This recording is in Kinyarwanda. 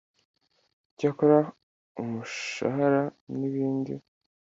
icyakora, umushahara ni bindi